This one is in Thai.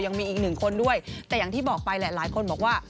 ยังมีอีกหนึ่งคนด้วยแต่อย่างที่บอกไปแหละหลายคนบอกว่า